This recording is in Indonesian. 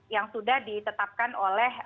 yang sudah ditetapkan oleh